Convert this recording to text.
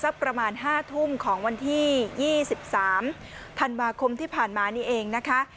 สักประมาณห้าทุ่มของวันที่ยี่สิบสามธันมาคมที่ผ่านมานี่เองนะคะ